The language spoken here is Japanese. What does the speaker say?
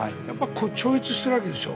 超越しているわけです。